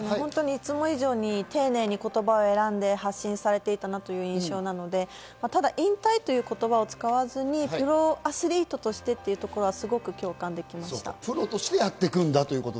いつも以上に丁寧に言葉を選んで発信されていたなという印象なので、ただ引退という言葉を使わずに、プロアスリートとしてというところはすごく共感できました。